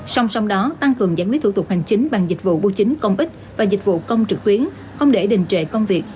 song song đó tăng cường giải quyết thủ tục hành chính bằng dịch vụ bưu chính công ích và dịch vụ công trực tuyến không để đình trệ công việc